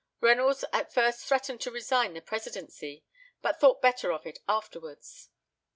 Reynolds at first threatened to resign the presidency; but thought better of it afterwards.